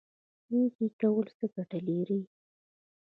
نیکي کول څه ګټه لري؟